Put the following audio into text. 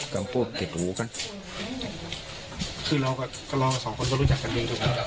เราสองคนนมีทางนี้